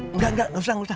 enggak enggak gak usah